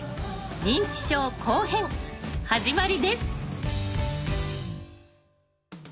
「認知症」後編始まりです。